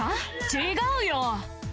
違うよ！